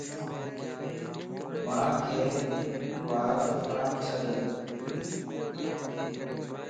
مانک وار ڦراڻ ڇڏ